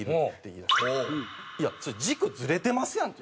いやそれ軸ずれてますやんって。